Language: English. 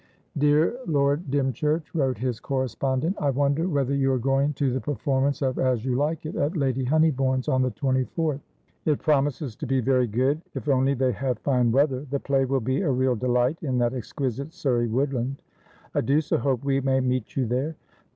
"Dear Lord Dymchurch," wrote his correspondent, "I wonder whether you are going to the performance of 'As You Like It' at Lady Honeybourne's on the 24th? It promises to be very good. If only they have fine weather, the play will be a real delight in that exquisite Surrey woodland. I do so hope we may meet you there.